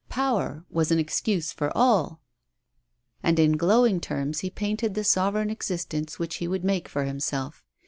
Power was an excuse for all. And in glowing terms he painted the sovereign existence which he would make for himself.